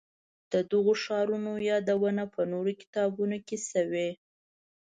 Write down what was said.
د دغو ښارونو یادونه په نورو کتابونو کې شوې.